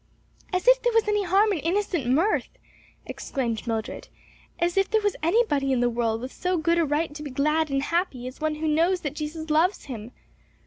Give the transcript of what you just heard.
"As if there was any harm in innocent mirth!" exclaimed Mildred, "as if there was anybody in the world with so good a right to be glad and happy as one who knows that Jesus loves him!